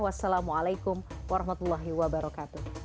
wassalamualaikum warahmatullahi wabarakatuh